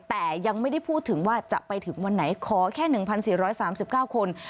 แต่ยังไม่ได้พูดถึงว่าจะไปถึงวันไหนขอแค่หนึ่งพันสี่ร้อยสามสิบเก้าคน